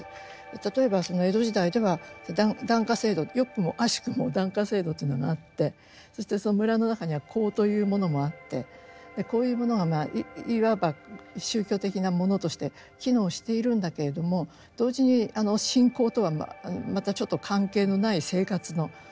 例えば江戸時代では檀家制度よくも悪しくも檀家制度というのがあってそしてその村の中には講というものもあってこういうものがいわば宗教的なものとして機能しているんだけれども同時に信仰とはまたちょっと関係のない生活の一部として存在していると。